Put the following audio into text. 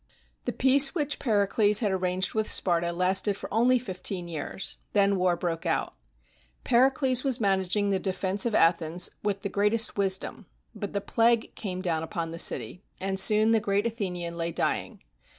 The peace which Pericles had arranged with Sparta lasted for only fifteen years. Then war broke out. Peri cles was managing the defense of Athens with the great est wisdom; but the plague came down upon the city, and soon the great Athenian lay dying.